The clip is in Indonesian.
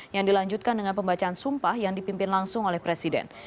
yang dilanjutkan dengan pembacaan sumpah yang dipimpin langsung oleh presiden